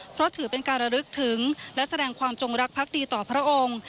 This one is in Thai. เพราะถือเป็นการระลึกถึงและแสดงความจงรักพักดีต่อพระองค์